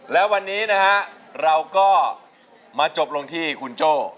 แล้ววันนี้นะฮะเราก็มาจบลงที่คุณโจ้